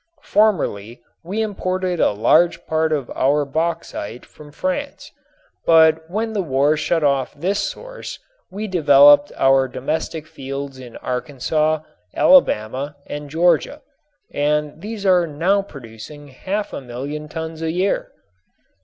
Formerly we imported a large part of our bauxite from France, but when the war shut off this source we developed our domestic fields in Arkansas, Alabama and Georgia, and these are now producing half a million tons a year.